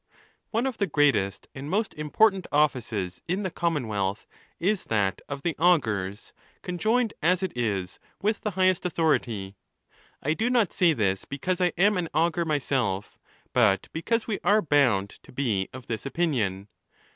One of the greatest and most important offices in the Commonwealth is that of the augurs, conjoined as it is with the highest authority. I do not say this because I am an augur myself, but because we are bound to be of this opinion.